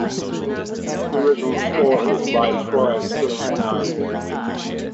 The original score is by Troy Sterling Nies.